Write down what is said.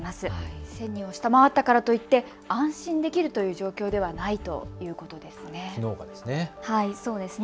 １０００人を下回ったからといって安心できるという状況ではないということですね。